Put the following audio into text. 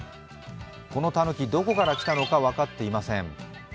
このたぬき、どこから来たのか分かっていません。